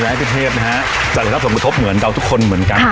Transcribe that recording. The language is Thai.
ดรพิเภทธรรมทบเหมือนกับทุกคนเหมือนกัน